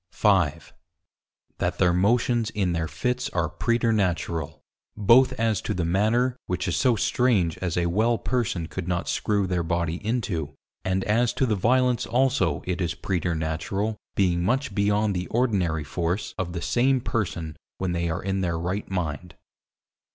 5. That their Motions in their Fits are Preternatural, both as to the manner, which is so strange as a well person could not Screw their Body into; and as to the violence also it is preternatural being much beyond the Ordinary force of the same person when they are in their right mind.